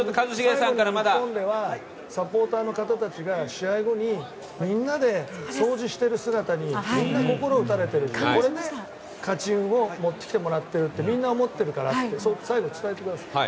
日本ではサポーターの方たちがみんなで掃除をしている姿にみんな心打たれてこれが勝ち運を持ってきてもらってるってみんな思っているからって最後、伝えてください。